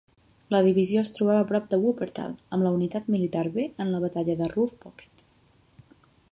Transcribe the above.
La divisió es trobava prop de Wuppertal amb la Unitat Militar B en la batalla de Ruhr Pocket.